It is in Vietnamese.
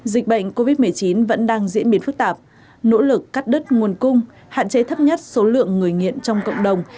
dịch bệnh covid một mươi chín vẫn đang diễn biến phức tạp nỗ lực cắt đứt nguồn cung hạn chế thấp nhất số lượng người nghiện trong cộng đồng